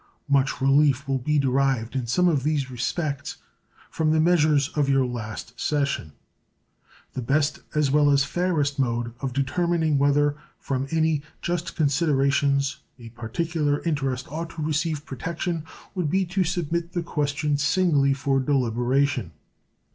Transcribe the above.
Much relief will be derived in some of these respects from the measures of your last session. The best as well as fairest mode of determining whether from any just considerations a particular interest ought to receive protection would be to submit the question singly for deliberation.